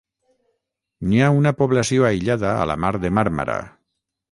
N'hi ha una població aïllada a la mar de Màrmara.